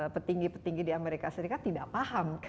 petinggi petinggi di amerika serikat tidak paham